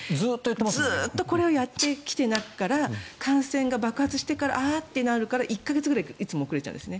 ずっとこれをやってきていないから感染が爆発してからあーってなるから１か月ぐらいいつも遅れるんです。